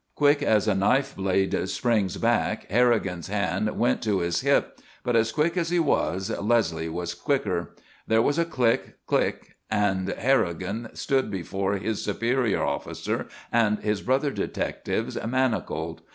Quick as a knife blade springs back Harrigan's hand went to his hip; but as quick as he was, Leslie was quicker. There was a click, click and Harrigan stood before his superior officer and his brother detectives, manacled.